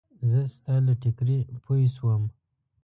زه ستا له ټیکري پوی شوم.